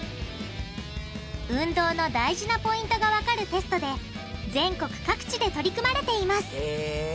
運動の大事なポイントがわかるテストで全国各地で取り組まれていますへぇ。